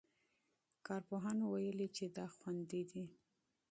کارپوهانو ویلي چې دا خوندي دی.